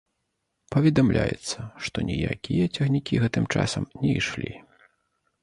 Паведамляецца, што ніякія цягнікі гэтым часам не ішлі.